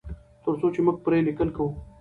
تر څو چې موږ پرې لیکل کوو.